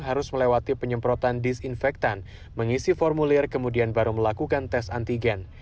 harus melewati penyemprotan disinfektan mengisi formulir kemudian baru melakukan tes antigen